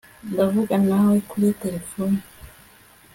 ndavugana nawe kuri terefone